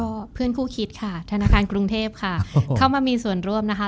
ก็เพื่อนคู่คิดค่ะธนาคารกรุงเทพค่ะเข้ามามีส่วนร่วมนะคะ